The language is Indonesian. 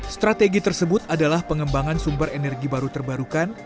strategi tersebut adalah pengembangan sumber energi baru terbarukan